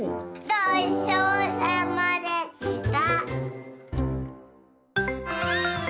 ごちそうさまでした！